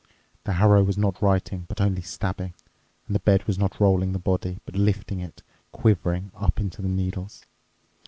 The harrow was not writing but only stabbing, and the bed was not rolling the body, but lifting it, quivering, up into the needles.